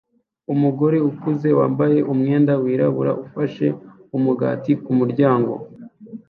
Umugore ukuze wambaye umwenda wirabura ufashe umugati kumuryango